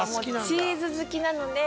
チーズ好きなので。